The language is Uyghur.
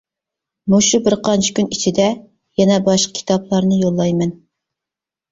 مۇشۇ بىر قانچە كۈن ئىچىدە يەنە باشقا كىتابلارنى يوللايمەن.